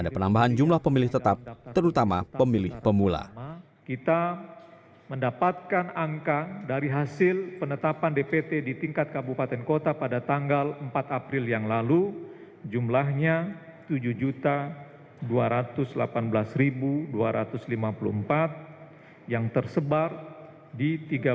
penetapan dpt di tingkat kabupaten kota pada tanggal empat april yang lalu jumlahnya tujuh dua ratus delapan belas dua ratus lima puluh empat yang tersebar di tiga belas tiga puluh empat